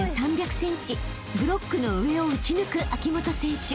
［ブロックの上をうち抜く秋本選手］